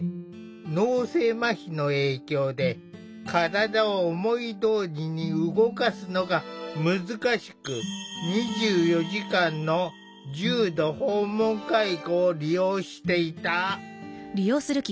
脳性まひの影響で体を思いどおりに動かすのが難しく２４時間の重度訪問介護を利用していた。